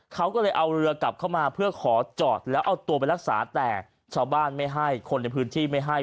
เขาก็เลยเอาเรือกลับเข้ามาเพื่อขอจอดแล้วเอาตัวไปรักษาแต่ชาวบ้านไม่ให้คนในพื้นที่ไม่ให้